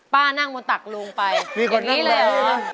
นั่งบนตักลุงไปมีคนนี้เลยเหรอ